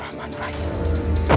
di mana kami masukkan